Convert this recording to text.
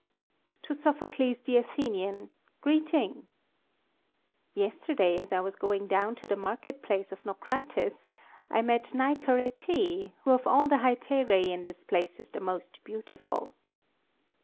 TO Sophocles, the Athenian, greeting. Yesterday, as I was going down to the market place of Naucratis, I met Nicaretê, who of all the hetairai in this place is the most beautiful.